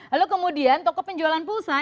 lalu kemudian toko penjualan pulsa